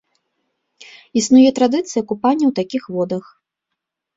Існуе традыцыя купання ў такіх водах.